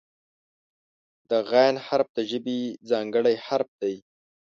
د "غ" حرف د ژبې ځانګړی حرف دی.